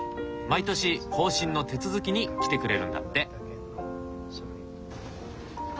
毎年更新の手続きに来てくれるんだって。